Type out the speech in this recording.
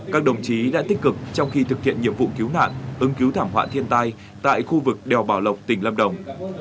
các đồng chí đã tích cực trong khi thực hiện nhiệm vụ cứu nạn ứng cứu thảm họa thiên tai tại khu vực đèo bảo lộc tỉnh lâm đồng